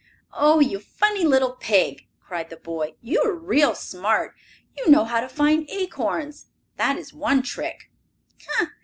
"Oh, you funny little pig!" cried the boy. "You are real smart! You know how to find acorns. That is one trick."